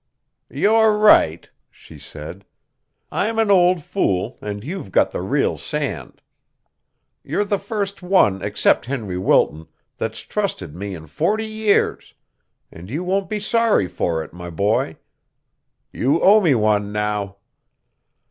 "You're right," she said. "I'm an old fool, and you've got the real sand. You're the first one except Henry Wilton that's trusted me in forty years, and you won't be sorry for it, my boy. You owe me one, now.